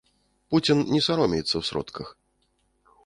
Пуцін не саромеецца ў сродках.